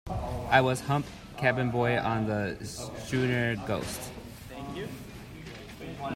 I was Hump, cabin boy on the schooner Ghost.